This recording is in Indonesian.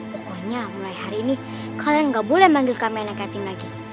pokoknya mulai hari ini kalian nggak boleh manggil kami anak yatim lagi